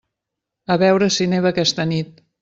A veure si neva aquesta nit.